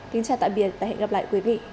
xin chào tạm biệt và hẹn gặp lại